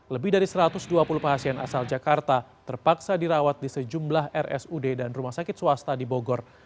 lebih dari satu ratus dua puluh pasien asal jakarta terpaksa dirawat di sejumlah rsud dan rumah sakit swasta di bogor